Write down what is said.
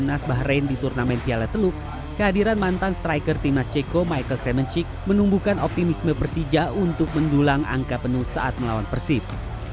timnas bahrain di turnamen piala teluk kehadiran mantan striker timnas ceko michael cramencik menumbuhkan optimisme persija untuk mendulang angka penuh saat melawan persib